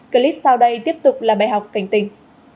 clip sau đây tiếp tục là bài học cảnh tình